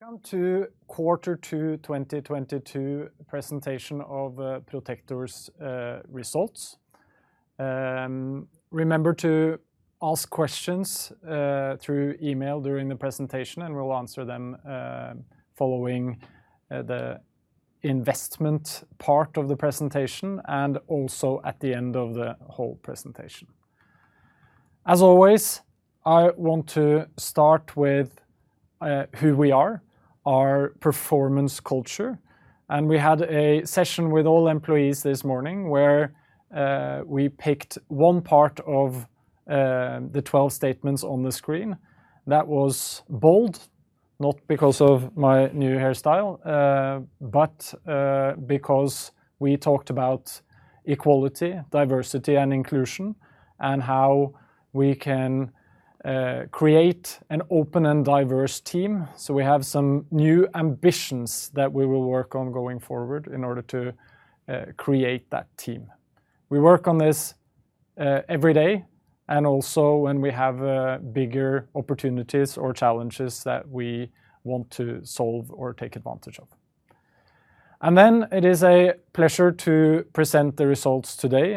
Welcome to Q2 2022 presentation of Protector's results. Remember to ask questions through email during the presentation, and we'll answer them following the investment part of the presentation and also at the end of the whole presentation. As always, I want to start with who we are, our performance culture, and we had a session with all employees this morning where we picked one part of the 12 statements on the screen that was bold, not because of my new hairstyle, but because we talked about equality, diversity, and inclusion and how we can create an open and diverse team, so we have some new ambitions that we will work on going forward in order to create that team. We work on this every day and also when we have bigger opportunities or challenges that we want to solve or take advantage of. It is a pleasure to present the results today.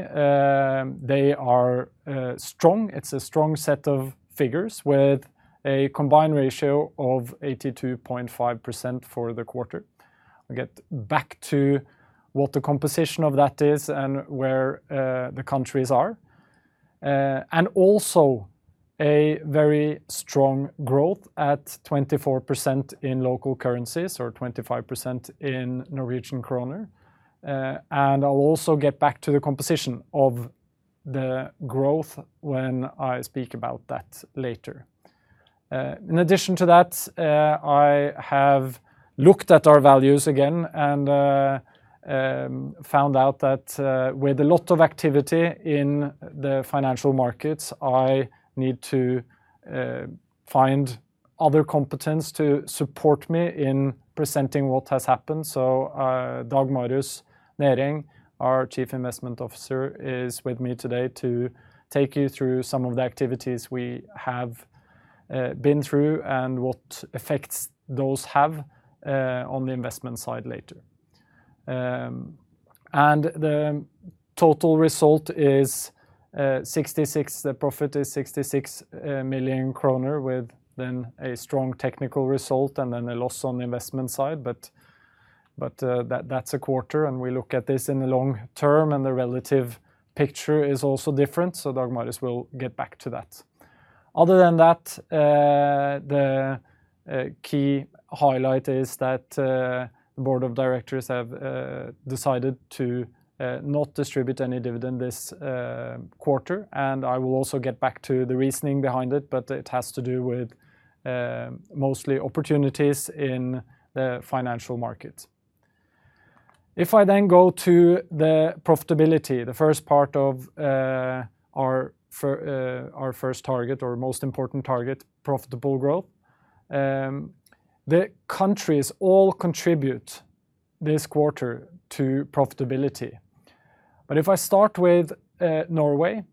They are strong. It's a strong set of figures with a combined ratio of 82.5% for the quarter. I'll get back to what the composition of that is and where the countries are. Also a very strong growth at 24% in local currencies or 25% in Norwegian kroner. I'll also get back to the composition of the growth when I speak about that later. In addition to that, I have looked at our values again and found out that with a lot of activity in the financial markets, I need to find other competence to support me in presenting what has happened, so Dag Marius Nereng, our Chief Investment Officer, is with me today to take you through some of the activities we have been through and what effects those have on the investment side later. The total result is 66 million kroner with then a strong technical result and then a loss on investment side, but that is a quarter, and we look at this in the long term, and the relative picture is also different, so Dag Marius will get back to that. Other than that, the key highlight is that the board of directors have decided to not distribute any dividend this quarter, and I will also get back to the reasoning behind it, but it has to do with mostly opportunities in the financial market. If I then go to the profitability, the first part of our first target or most important target, profitable growth, the countries all contribute this quarter to profitability. If I start with Norway,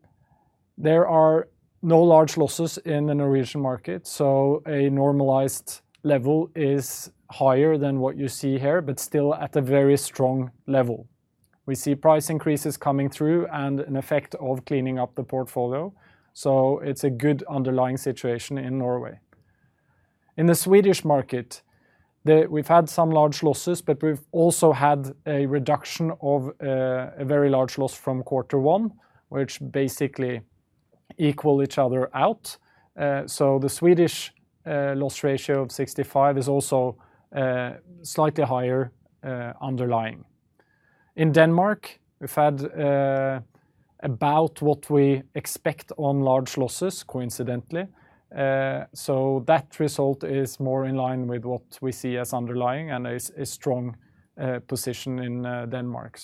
there are no large losses in the Norwegian market, so a normalized level is higher than what you see here but still at a very strong level. We see price increases coming through and an effect of cleaning up the portfolio, so it's a good underlying situation in Norway. In the Swedish market, we've had some large losses, but we've also had a reduction of a very large loss from Q1, which basically equal each other out, so the Swedish loss ratio of 65% is also slightly higher underlying. In Denmark, we've had about what we expect on large losses coincidentally, so that result is more in line with what we see as underlying and is a strong position in Denmark.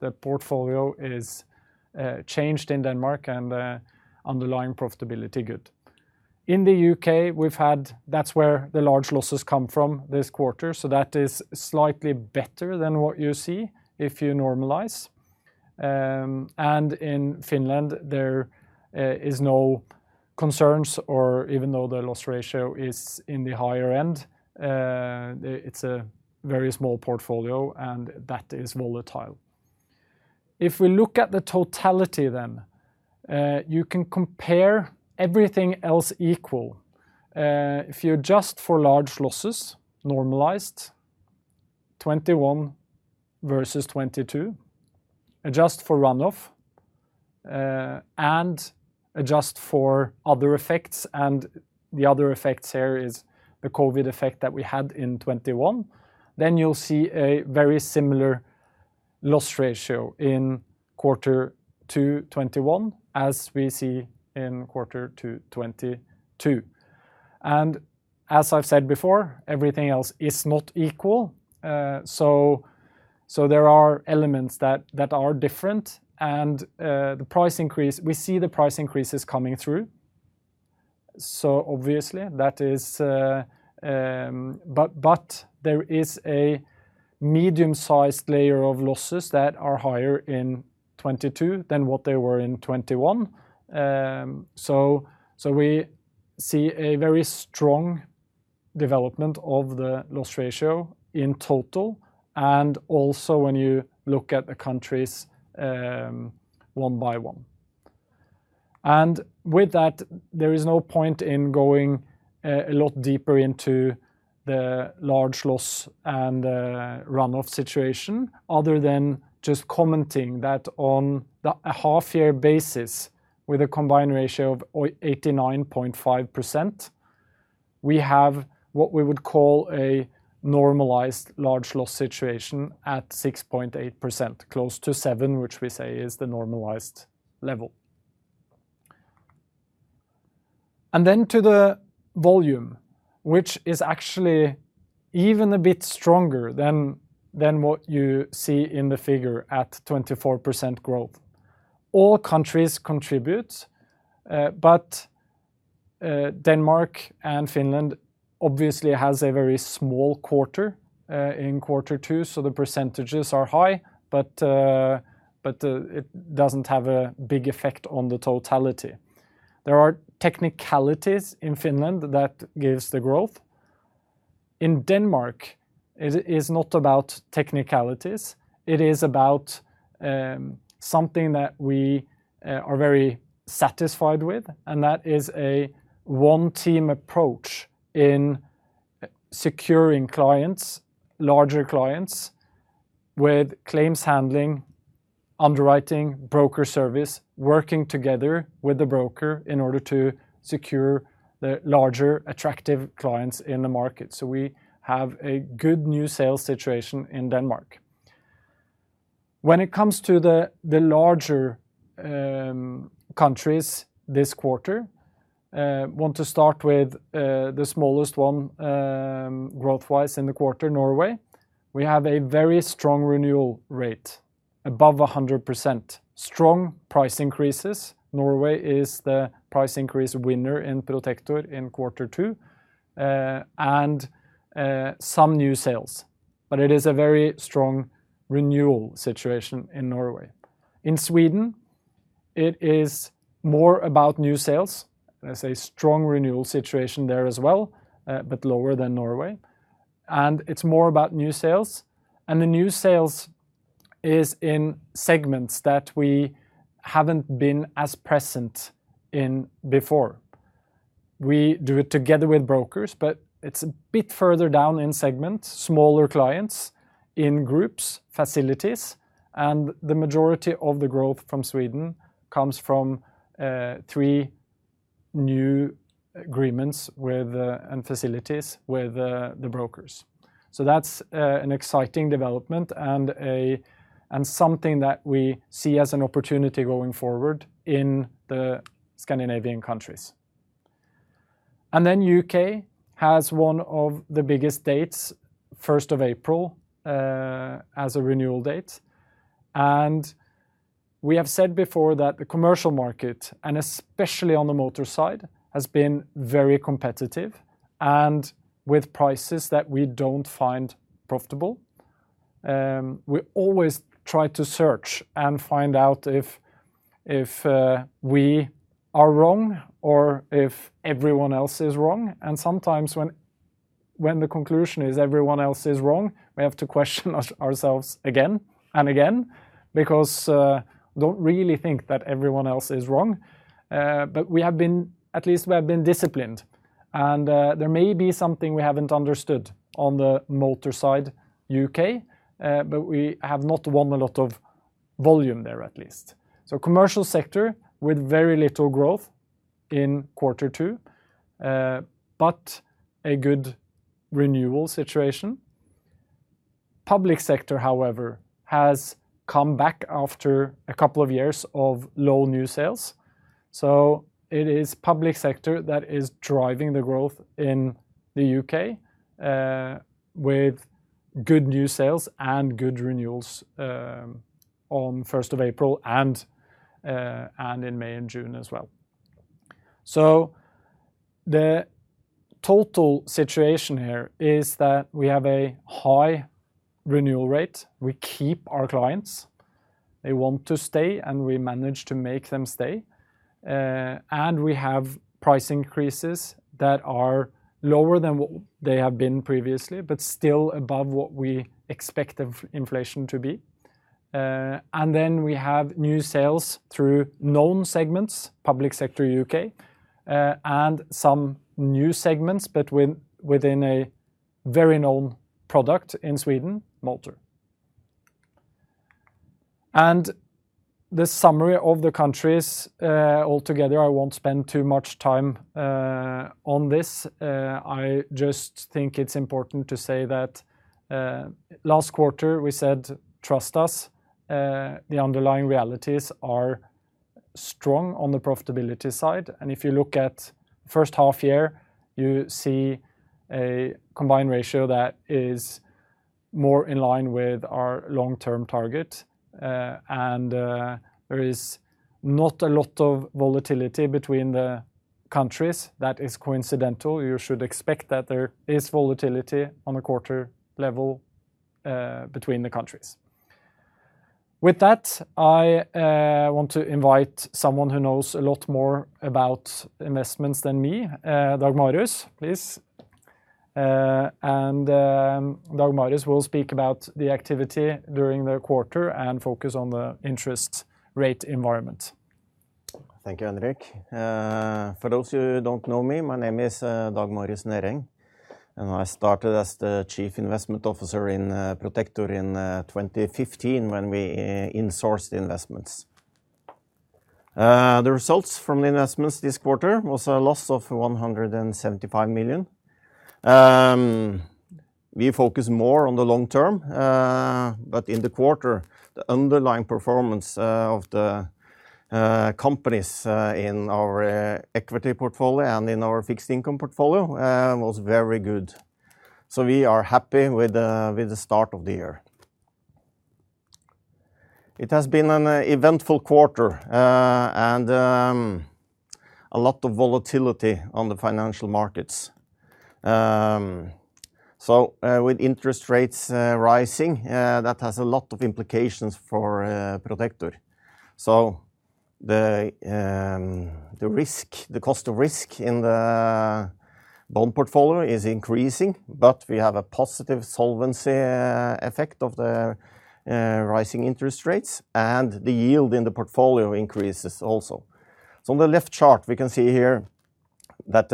The portfolio is changed in Denmark and underlying profitability good. In the U.K., that's where the large losses come from this quarter, so that is slightly better than what you see if you normalize. In Finland, there is no concern even though the loss ratio is in the higher end, it's a very small portfolio, and that is volatile. If we look at the totality then, you can compare everything else equal. If you adjust for large losses, normalized, 2021 versus 2022, adjust for run-off, and adjust for other effects, and the other effects here is the COVID effect that we had in 2021, then you'll see a very similar loss ratio in Q2 2021 as we see in Q2 2022. As I've said before, everything else is not equal, so there are elements that are different, and the price increase, we see the price increases coming through, so obviously that is- There is a medium-sized layer of losses that are higher in 2022 than what they were in 2021. We see a very strong development of the loss ratio in total and also when you look at the countries, one by one. With that, there is no point in going a lot deeper into the large loss and run-off situation other than just commenting that on the half-year basis with a combined ratio of 89.5%, we have what we would call a normalized large loss situation at 6.8%, close to seven, which we say is the normalized level. Then to the volume, which is actually even a bit stronger than what you see in the figure at 24% growth. All countries contribute, but Denmark and Finland obviously has a very small quarter in Q2, so the percentages are high, but it doesn't have a big effect on the totality. There are technicalities in Finland that gives the growth. In Denmark it is not about technicalities, it is about something that we are very satisfied with, and that is a one team approach in securing clients, larger clients with claims handling, underwriting, broker service, working together with the broker in order to secure the larger attractive clients in the market. So we have a good new sales situation in Denmark. When it comes to the larger countries this quarter, want to start with the smallest one, growth-wise in the quarter, Norway. We have a very strong renewal rate above 100%. Strong price increases. Norway is the price increase winner in Protector in Q2. Some new sales, but it is a very strong renewal situation in Norway. In Sweden, it is more about new sales. There's a strong renewal situation there as well, but lower than Norway. It's more about new sales. The new sales is in segments that we haven't been as present in before. We do it together with brokers, but it's a bit further down in segments, smaller clients in groups, facilities, and the majority of the growth from Sweden comes from three new agreements with and facilities with the brokers. That's an exciting development and something that we see as an opportunity going forward in the Scandinavian countries. Then U.K. has one of the biggest dates, first of April, as a renewal date. We have said before that the commercial market, and especially on the motor side, has been very competitive and with prices that we don't find profitable. We always try to search and find out if we are wrong or if everyone else is wrong. Sometimes when the conclusion is everyone else is wrong, we have to question ourselves again and again because we don't really think that everyone else is wrong. But we have been disciplined, and there may be something we haven't understood on the motor side U.K., but we have not won a lot of volume there at least. Commercial sector with very little growth in Q2, but a good renewal situation. Public sector, however, has come back after a couple of years of low new sales. It is public sector that is driving the growth in the U.K., with good new sales and good renewals, on first of April and in May and June as well. The total situation here is that we have a high renewal rate. We keep our clients, they want to stay, and we manage to make them stay. We have price increases that are lower than what they have been previously, but still above what we expect of inflation to be. We have new sales through known segments, public sector U.K., and some new segments, but within a very known product in Sweden Motor. The summary of the countries, altogether, I won't spend too much time on this. I just think it's important to say that, last quarter we said, "Trust us, the underlying realities are strong on the profitability side." If you look at H1 year, you see a combined ratio that is more in line with our long-term target. There is not a lot of volatility between the countries that is coincidental. You should expect that there is volatility on a quarter level, between the countries. With that, I want to invite someone who knows a lot more about investments than me, Dag Marius, please. Dag Marius will speak about the activity during the quarter and focus on the interest rate environment. Thank you, Henrik. For those who don't know me, my name is Dag Marius Nereng, and I started as the Chief Investment Officer in Protector in 2015 when we insourced the investments. The results from the investments this quarter was a loss of 175 million. We focus more on the long term, but in the quarter, the underlying performance of the companies in our equity portfolio and in our fixed income portfolio was very good. We are happy with the start of the year. It has been an eventful quarter, and a lot of volatility on the financial markets. With interest rates rising, that has a lot of implications for Protector. The risk, the cost of risk in the bond portfolio is increasing, but we have a positive solvency effect of the rising interest rates, and the yield in the portfolio increases also. On the left chart, we can see here that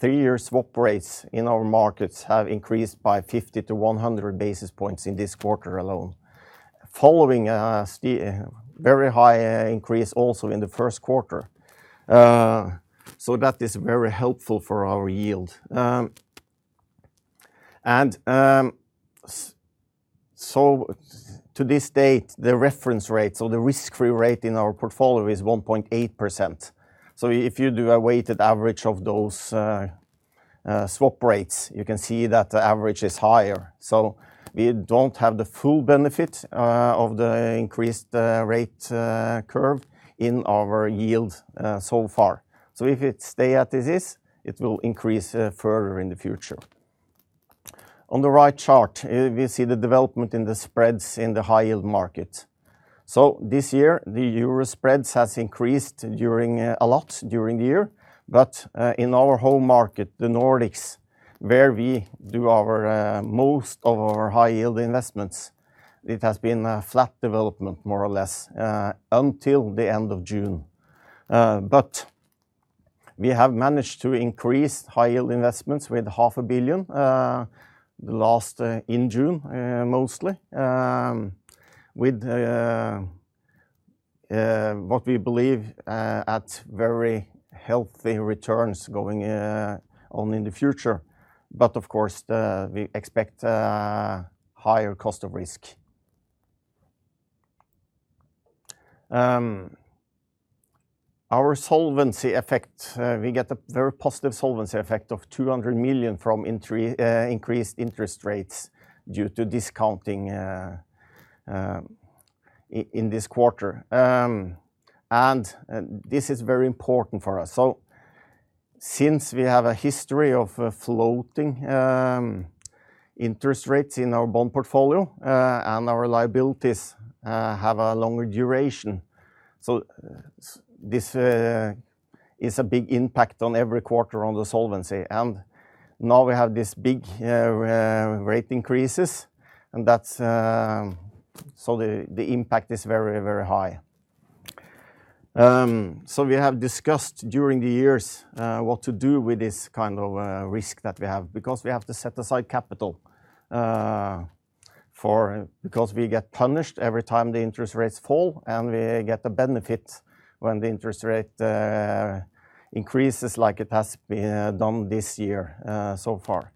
three-year swap rates in our markets have increased by 50-100 basis points in this quarter alone, following a very high increase also in the Q1. That is very helpful for our yield. To this date, the reference rate or the risk-free rate in our portfolio is 1.8%. If you do a weighted average of those swap rates, you can see that the average is higher. We don't have the full benefit of the increased rate curve in our yield so far. If it stay at this, it will increase further in the future. On the right chart, we see the development in the spreads in the high-yield market. This year, the Euro spreads has increased a lot during the year. In our home market, the Nordics, where we do most of our high-yield investments, it has been a flat development more or less until the end of June. We have managed to increase high-yield investments with 500 million in June mostly with what we believe are very healthy returns going on in the future. Of course, we expect higher cost of risk. Our solvency effect, we get a very positive solvency effect of 200 million from increased interest rates due to discounting in this quarter. This is very important for us. Since we have a history of floating interest rates in our bond portfolio, and our liabilities have a longer duration, this is a big impact on every quarter on the solvency. Now we have this big rate increases, and that's the impact is very, very high. We have discussed during the years what to do with this kind of risk that we have because we have to set aside capital because we get punished every time the interest rates fall, and we get the benefit when the interest rate increases like it has been done this year so far.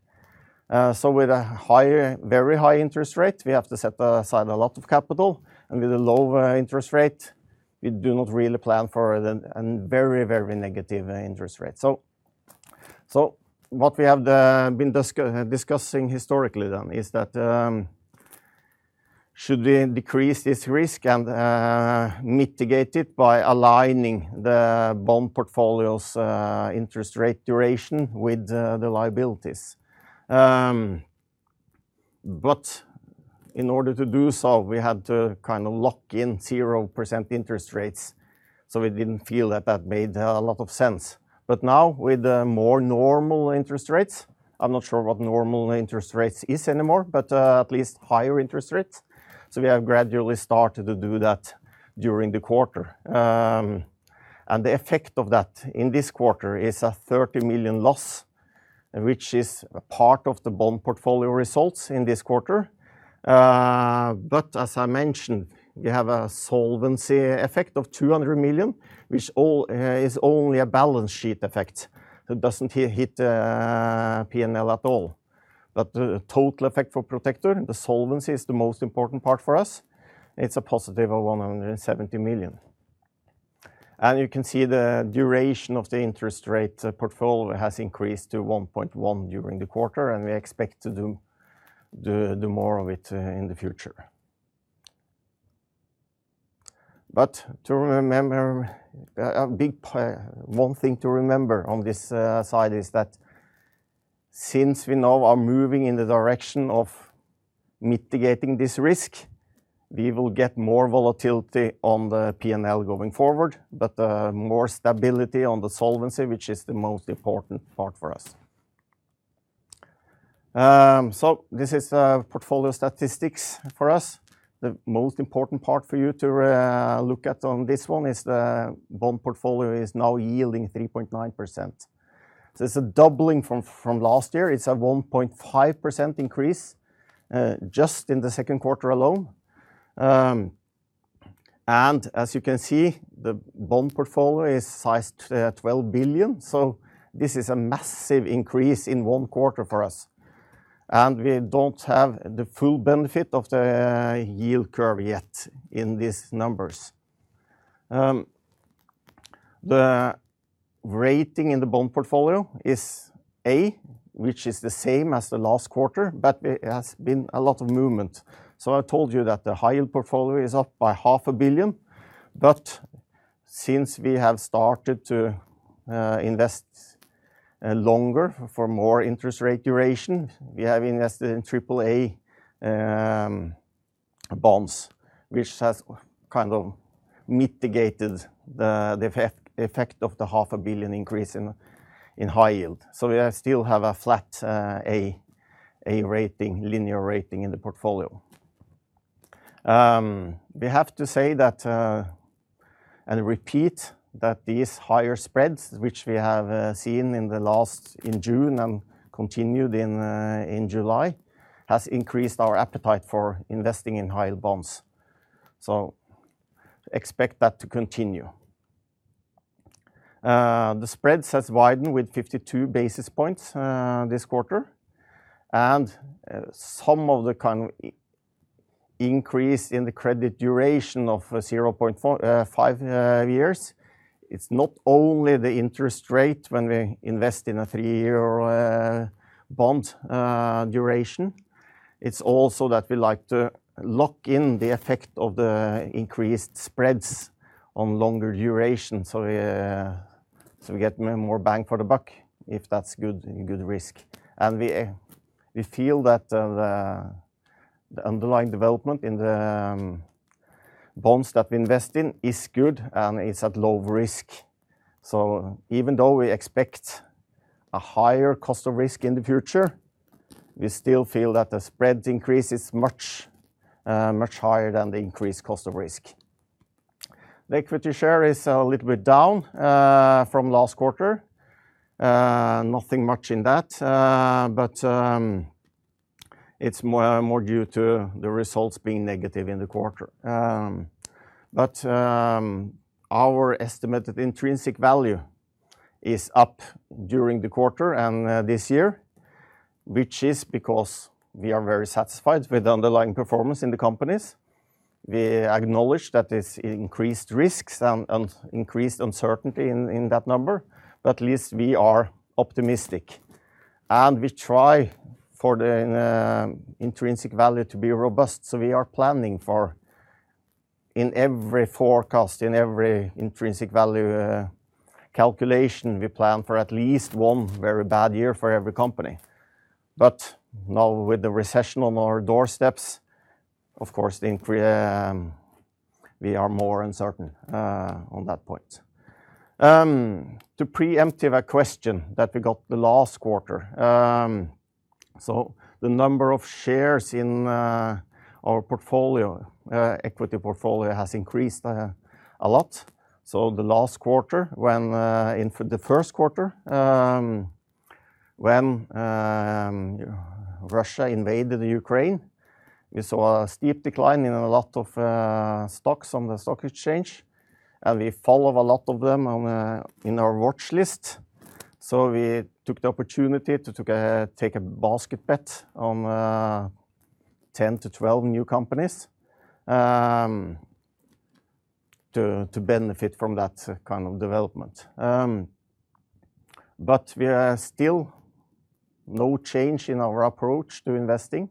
With a higher, very high interest rate, we have to set aside a lot of capital, and with a lower interest rate, we do not really plan for it and very negative interest rate. What we have been discussing historically then is that, should we decrease this risk and mitigate it by aligning the bond portfolio's interest rate duration with the liabilities. In order to do so, we had to kind of lock in 0% interest rates, so we didn't feel that that made a lot of sense. Now with the more normal interest rates, I'm not sure what normal interest rates is anymore, but at least higher interest rates. We have gradually started to do that during the quarter. The effect of that in this quarter is a 30 million loss, which is part of the bond portfolio results in this quarter. As I mentioned, we have a solvency effect of 200 million, which all is only a balance sheet effect. It doesn't hit P&L at all. The total effect for Protector, the solvency is the most important part for us. It's a positive of 170 million. You can see the duration of the interest rate portfolio has increased to 1.1 during the quarter, and we expect to do more of it in the future. One thing to remember on this side is that since we now are moving in the direction of mitigating this risk, we will get more volatility on the P&L going forward, but more stability on the solvency, which is the most important part for us. This is portfolio statistics for us. The most important part for you to look at on this one is the bond portfolio is now yielding 3.9%. It's a doubling from last year. It's a 1.5% increase just in the second quarter alone. As you can see, the bond portfolio is sized at 12 billion. This is a massive increase in one quarter for us. We don't have the full benefit of the yield curve yet in these numbers. The rating in the bond portfolio is A, which is the same as the last quarter, but there has been a lot of movement. I told you that the high-yield portfolio is up by 500 million. Since we have started to invest longer for more interest rate duration, we have invested in triple A bonds, which has kind of mitigated the effect of the 500 million increase in high yield. We still have a flat A average rating in the portfolio. We have to say that and repeat that these higher spreads, which we have seen in June and continued in July, has increased our appetite for investing in high-yield bonds. Expect that to continue. The spreads has widened with 52 basis points this quarter. Some of the kind increase in the credit duration of 0.45 years. It's not only the interest rate when we invest in a three-year bond duration. It's also that we like to lock in the effect of the increased spreads on longer duration. We get more bang for the buck if that's good risk. We feel that the underlying development in the bonds that we invest in is good, and it's at low risk. Even though we expect a higher cost of risk in the future, we still feel that the spread increase is much higher than the increased cost of risk. The equity share is a little bit down from last quarter. Nothing much in that, but it's more due to the results being negative in the quarter. Our estimated intrinsic value is up during the quarter and this year, which is because we are very satisfied with the underlying performance in the companies. We acknowledge that it's increased risks and increased uncertainty in that number, but at least we are optimistic. We try for the intrinsic value to be robust. We are planning for in every forecast, in every intrinsic value calculation, we plan for at least one very bad year for every company. Now with the recession on our doorsteps, of course, we are more uncertain on that point. To preempt a question that we got the last quarter, the number of shares in our equity portfolio has increased a lot. In the Q1, when Russia invaded Ukraine, we saw a steep decline in a lot of stocks on the stock exchange. We follow a lot of them on our watch list. We took the opportunity to take a basket bet on 10-12 new companies to benefit from that kind of development. There is still no change in our approach to investing.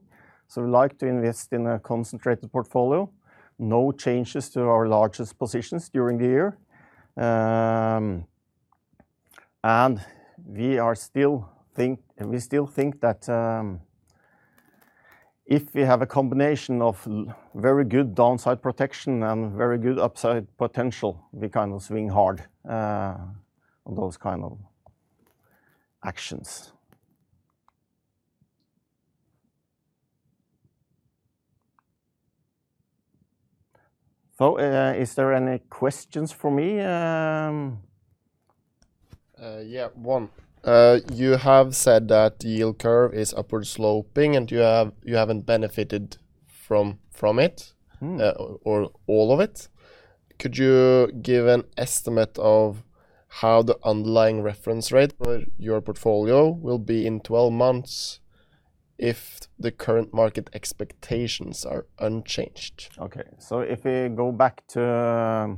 We like to invest in a concentrated portfolio, no changes to our largest positions during the year. We still think that if we have a combination of very good downside protection and very good upside potential, we kind of swing hard on those kind of actions. Is there any questions for me? Yeah, one. You have said that yield curve is upward sloping, and you have, you haven't benefited from it. All of it. Could you give an estimate of how the underlying reference rate for your portfolio will be in 12 months if the current market expectations are unchanged? Okay. If we go back to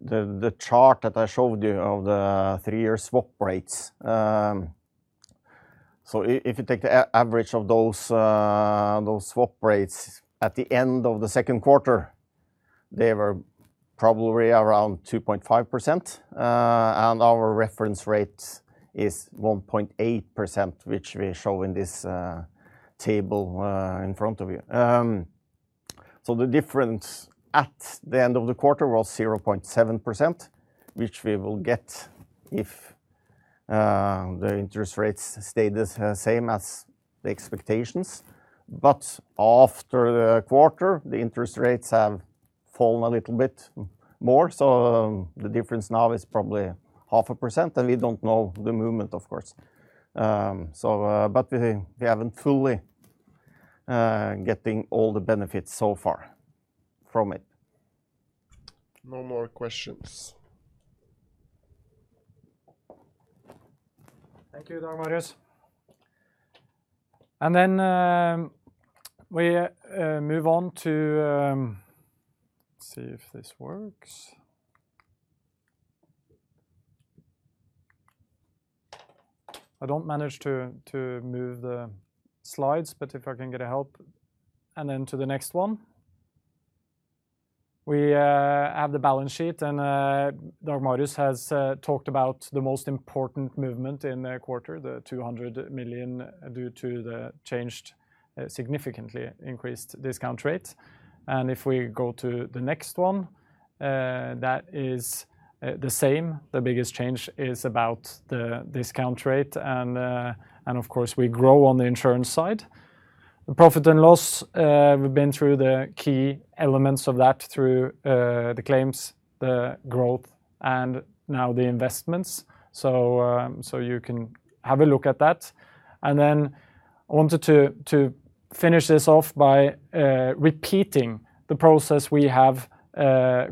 the chart that I showed you of the three-year swap rates. If you take the average of those swap rates at the end of the Q2, they were probably around 2.5%, and our reference rate is 1.8%, which we show in this table in front of you. The difference at the end of the quarter was 0.7%, which we will get if the interest rates stay the same as the expectations. After the quarter, the interest rates have fallen a little bit more, so the difference now is probably 0.5%, and we don't know the movement, of course. We haven't fully getting all the benefits so far from it. No more questions. Thank you, Dag Marius. We move on to. See if this works. I don't manage to move the slides, but if I can get help. To the next one. We have the balance sheet, and Dag Marius has talked about the most important movement in the quarter, the 200 million due to the changed, significantly increased discount rate. If we go to the next one, that is the same. The biggest change is about the discount rate, and of course we grow on the insurance side. The profit and loss, we've been through the key elements of that through the claims, the growth, and now the investments. You can have a look at that. I wanted to finish this off by repeating the process we have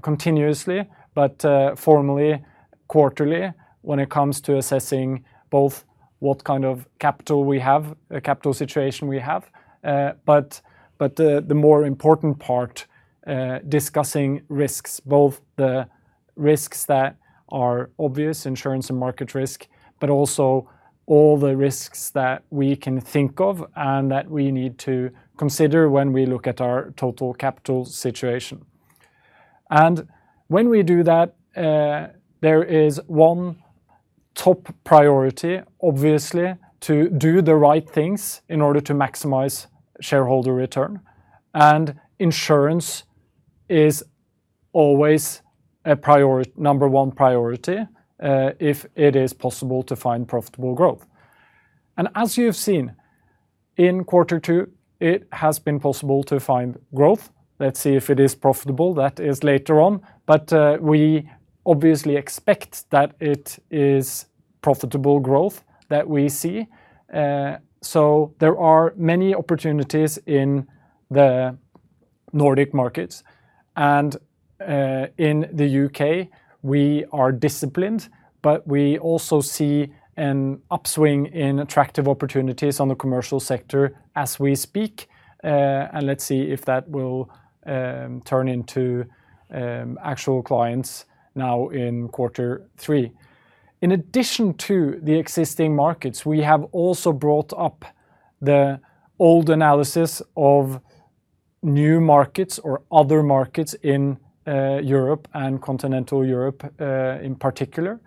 continuously, but formally quarterly when it comes to assessing both what kind of capital we have, capital situation we have, but the more important part, discussing risks, both the risks that are obvious, insurance and market risk, but also all the risks that we can think of and that we need to consider when we look at our total capital situation. When we do that, there is one top priority, obviously, to do the right things in order to maximize shareholder return, and insurance is always a number one priority, if it is possible to find profitable growth. As you have seen, in Q2, it has been possible to find growth. Let's see if it is profitable. That is later on. We obviously expect that it is profitable growth that we see. There are many opportunities in the Nordic markets. In the U.K., we are disciplined, but we also see an upswing in attractive opportunities on the commercial sector as we speak. Let's see if that will turn into actual clients now in Q3. In addition to the existing markets, we have also brought up the old analysis of new markets or other markets in Europe and continental Europe, in particular.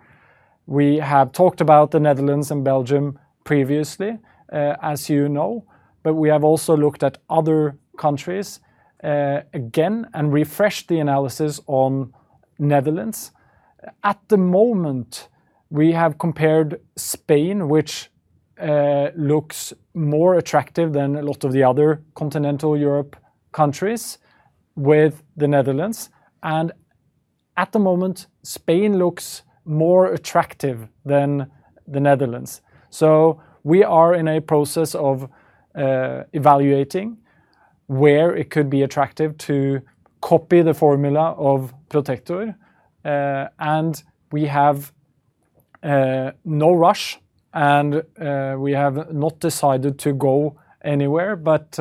We have talked about the Netherlands and Belgium previously, as you know, but we have also looked at other countries, again and refreshed the analysis on Netherlands. At the moment, we have compared Spain, which looks more attractive than a lot of the other continental Europe countries, with the Netherlands. At the moment, Spain looks more attractive than the Netherlands. We are in a process of evaluating where it could be attractive to copy the formula of Protector. We have no rush, and we have not decided to go anywhere, but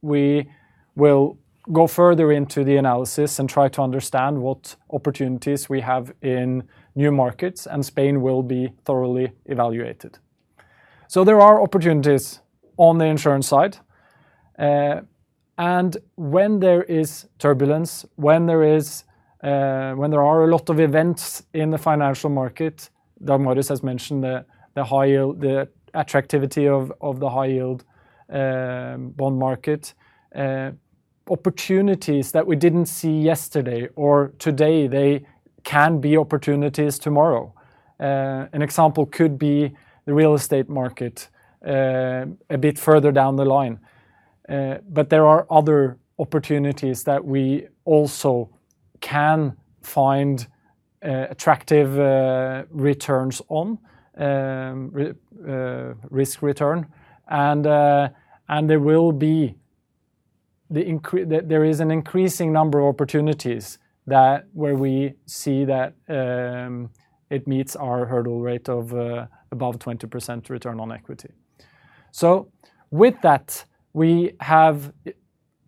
we will go further into the analysis and try to understand what opportunities we have in new markets, and Spain will be thoroughly evaluated. There are opportunities on the insurance side. When there is turbulence, when there is, when there are a lot of events in the financial market, Dag Marius has mentioned the high-yield, the attractivity of the high-yield bond market, opportunities that we didn't see yesterday or today, they can be opportunities tomorrow. An example could be the real estate market, a bit further down the line. There are other opportunities that we also can find attractive returns on risk return, and there is an increasing number of opportunities that where we see that it meets our hurdle rate of above 20% return on equity. With that, we have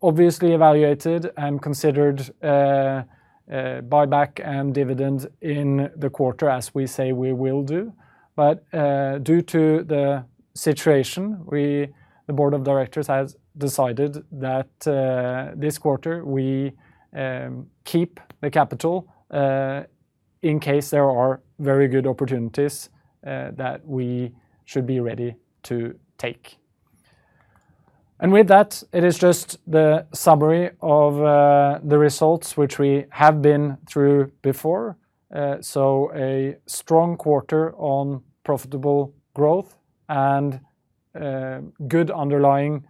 obviously evaluated and considered buyback and dividend in the quarter as we say we will do. Due to the situation, we, the board of directors has decided that this quarter we keep the capital in case there are very good opportunities that we should be ready to take. With that, it is just the summary of the results which we have been through before. A strong quarter on profitable growth and good underlying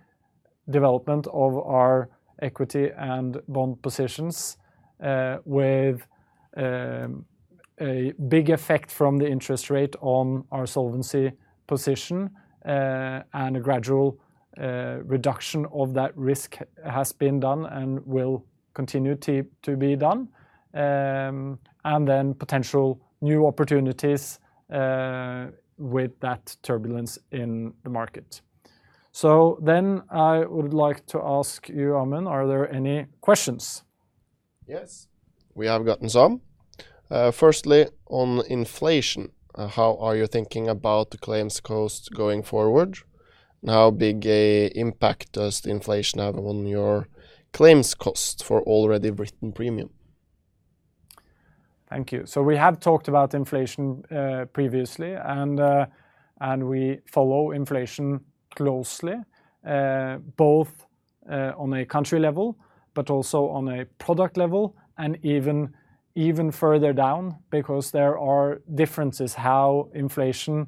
development of our equity and bond positions, with a big effect from the interest rate on our solvency position, and a gradual reduction of that risk has been done and will continue to be done. Potential new opportunities with that turbulence in the market. I would like to ask you, Amund, are there any questions? Yes. We have gotten some. Firstly, on inflation, how are you thinking about the claims cost going forward? How big an impact does the inflation have on your claims cost for already written premium? Thank you. We have talked about inflation previously, and we follow inflation closely, both on a country level, but also on a product level and even further down because there are differences how inflation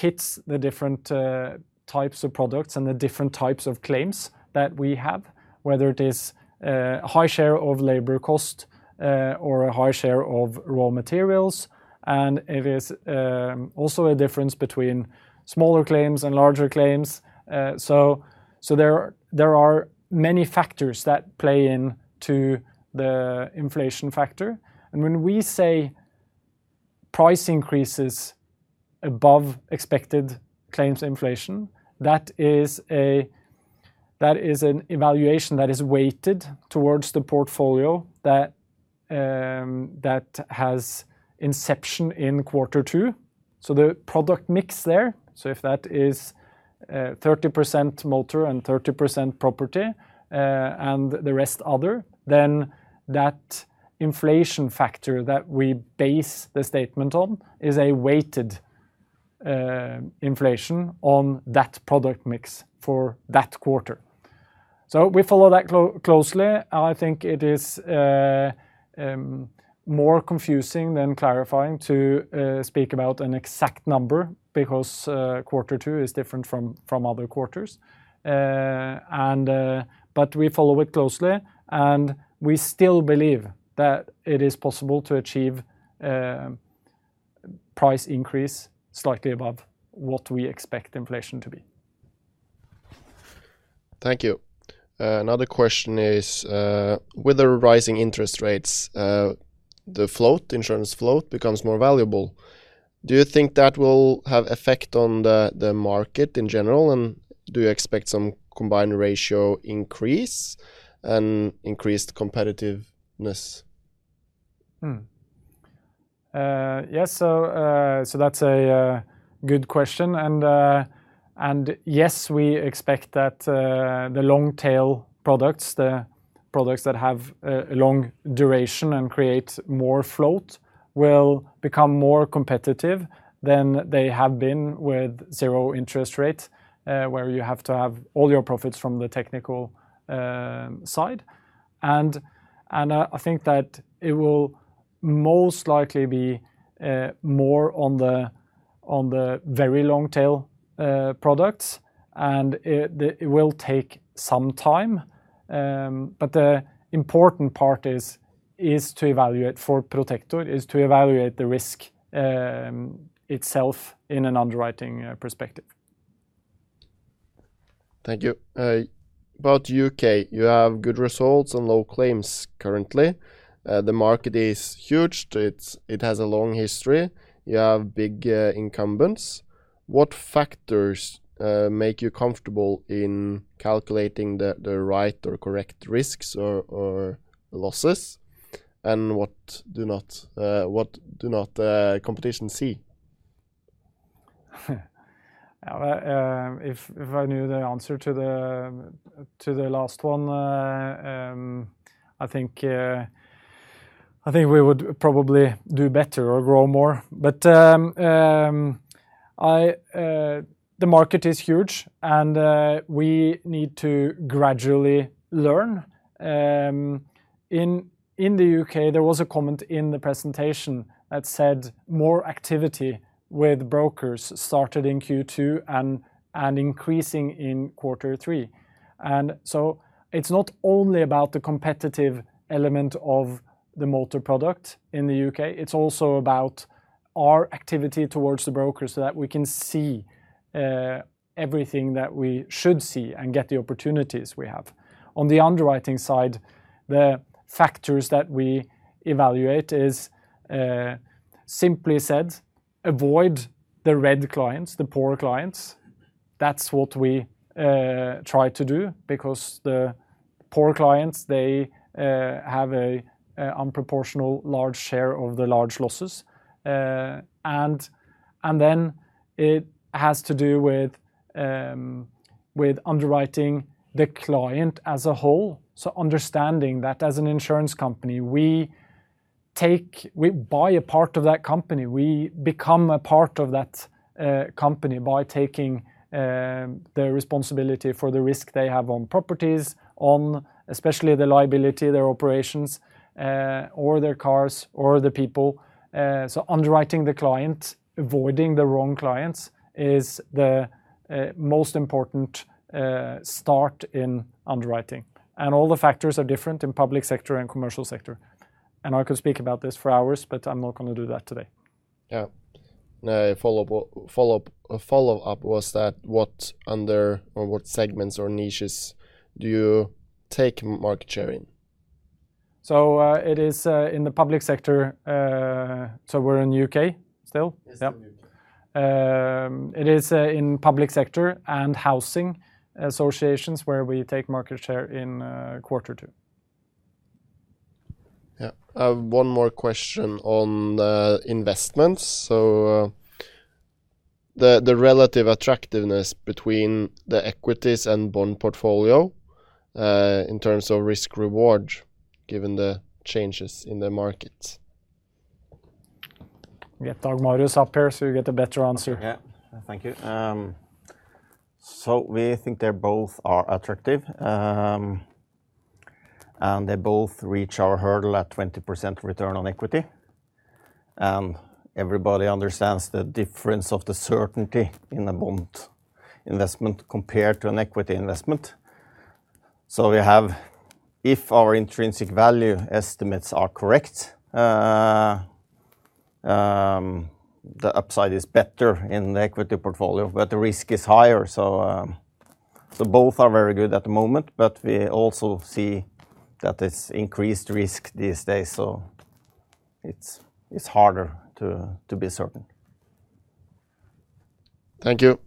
hits the different types of products and the different types of claims that we have, whether it is high share of labor cost or a high share of raw materials, and it is also a difference between smaller claims and larger claims. There are many factors that play into the inflation factor. When we say price increases above expected claims inflation, that is an evaluation that is weighted towards the portfolio that has inception in Q2. The product mix there, if that is 30% Motor and 30% property, and the rest other, then that inflation factor that we base the statement on is a weighted inflation on that product mix for that quarter. We follow that closely. I think it is more confusing than clarifying to speak about an exact number because Q2 is different from other quarters. We follow it closely, and we still believe that it is possible to achieve price increase slightly above what we expect inflation to be. Thank you. Another question is, with the rising interest rates, the float, insurance float becomes more valuable. Do you think that will have effect on the market in general, and do you expect some combined ratio increase and increased competitiveness? Yes, so that's a good question, and yes, we expect that the long-tail products, the products that have a long duration and create more float, will become more competitive than they have been with zero interest rates, where you have to have all your profits from the technical side. I think that it will most likely be more on the very long-tail products, and it will take some time. The important part is to evaluate for Protector the risk itself in an underwriting perspective. Thank you. About U.K., you have good results and low claims currently. The market is huge. It has a long history. You have big incumbents. What factors make you comfortable in calculating the right or correct risks or losses, and what do not the competition see? If I knew the answer to the last one, I think we would probably do better or grow more. The market is huge, and we need to gradually learn. In the U.K., there was a comment in the presentation that said more activity with brokers started in Q2 and increasing in Q3. It's not only about the competitive element of the Motor product in the U.K., it's also about our activity towards the brokers so that we can see everything that we should see and get the opportunities we have. On the underwriting side, the factors that we evaluate is simply said, avoid the red clients, the poor clients. That's what we try to do because the poor clients, they have a disproportionate large share of the large losses. Then it has to do with underwriting the client as a whole. Understanding that as an insurance company, we buy a part of that company, we become a part of that company by taking the responsibility for the risk they have on properties, on especially the liability, their operations, or their cars, or the people. Underwriting the client, avoiding the wrong clients is the most important start in underwriting. All the factors are different in public sector and commercial sector, and I could speak about this for hours, but I'm not gonna do that today. Yeah. Follow-up was that what under or what segments or niches do you take market share in? It is in the public sector. We're in U.K. still? Yes, still U.K. Yeah. It is in public sector and housing associations where we take market share in Q2. Yeah. I have one more question on investments. The relative attractiveness between the equities and bond portfolio, in terms of risk reward, given the changes in the market? We get Dag Marius up here, so you get a better answer. Yeah. Thank you. We think they both are attractive, and they both reach our hurdle at 20% return on equity, and everybody understands the difference of the certainty in a bond investment compared to an equity investment. We have, if our intrinsic value estimates are correct, the upside is better in the equity portfolio, but the risk is higher. Both are very good at the moment, but we also see that there's increased risk these days, so it's harder to be certain. Thank you.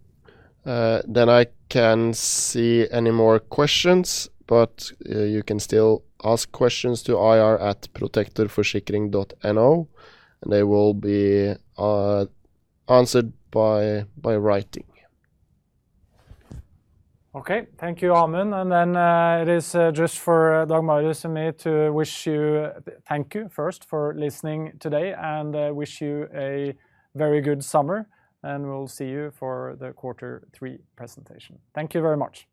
I can't see any more questions, but you can still ask questions to ir@protectorforsikring.no, and they will be answered by writing. Okay. Thank you, Amund, and then it is just for Dag Marius and me to wish you thank you first for listening today and wish you a very good summer, and we'll see you for the Q3 presentation. Thank you very much.